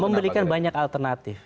memberikan banyak alternatif